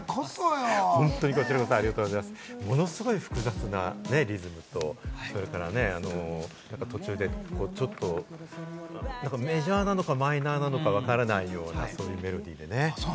ものすごい複雑なリズムとそれから途中で、ちょっとメジャーなのかマイナーなのかわからないような、そういうメロディーでね。